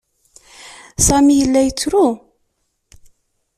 Sami yella yettru.